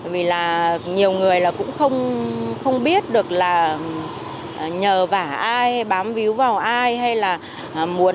vì là nhiều người là cũng không biết được là nhờ vả ai bám víu vào ai hay là muốn